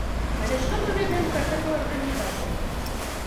Але што мы ведаем пра гэтую арганізацыю?